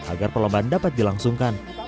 agar perlombaan dapat dilangsungkan